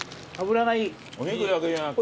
お肉だけじゃなくて。